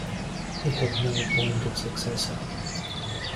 He had no appointed successor.